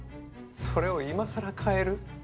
それを今更変える？